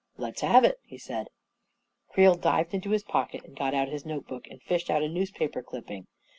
"Let's have it," he said. Creel dived into his pocket and got out his note book and fished out a newspaper clipping.